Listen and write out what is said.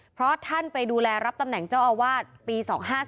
เพราะท่านไปดูแลรับตำแหน่งเจ้าอาวาสปี๒๕๔